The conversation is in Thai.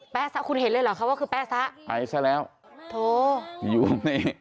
ซะคุณเห็นเลยเหรอคะว่าคือแป๊ซะไปซะแล้วโถอยู่ตรงนี้